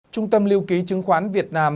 trung tâm liêu ký chứng khoán việt nam